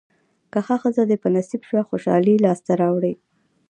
که ښه ښځه دې په نصیب شوه خوشالۍ لاسته راوړې.